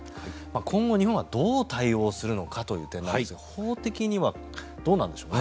今後、日本はどう対応するのかという点なんですが法的にはどうなんでしょうね。